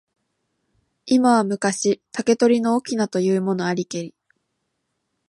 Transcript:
今は昔、竹取の翁というものありけり。